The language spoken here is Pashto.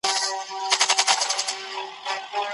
که په بلنه کي د ښځو او نارينه وو اختلاط وو څه کوئ؟